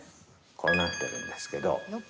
こうなってるんですけど。